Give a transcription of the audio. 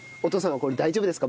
これ大丈夫ですか？